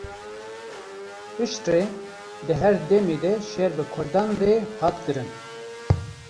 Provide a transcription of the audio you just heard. Piştre, di her demê de şer bi kurdan rê hat kirin.